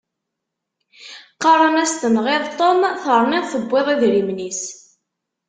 Qqaren-as tenɣiḍ Tom terniḍ tewwiḍ idrimen-is.